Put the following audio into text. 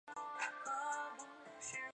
鸟井坂面影堂魔法使魔法指环